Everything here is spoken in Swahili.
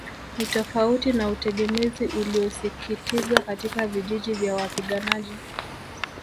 Ni tofauti na utegemezi uliosisitizwa katika vijiji vya wapiganaji